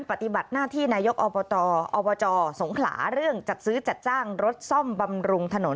ปฏิบัติหน้าที่นายกอบตอบจสงขลาเรื่องจัดซื้อจัดจ้างรถซ่อมบำรุงถนน